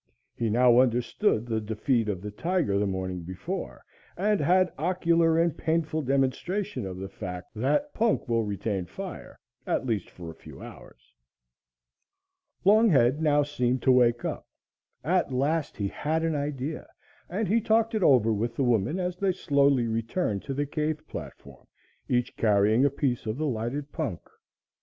He now understood the defeat of the tiger the morning before, and had ocular and painful demonstration of the fact that punk will retain fire, at least for a few hours. [Illustration: "AFTER SOME VIGOROUS BLOWING, PRODUCED FLAME."] Longhead now seemed to wake up; at last he had an idea, and he talked it over with the woman as they slowly returned to the cave platform, each carrying a piece of the lighted punk.